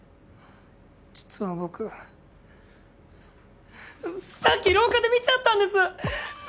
実は僕さっき廊下で見ちゃったんです。